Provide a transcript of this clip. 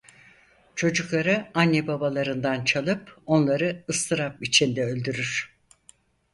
Çocukları anne babalarından çalıp onları ıstırap içinde öldürür.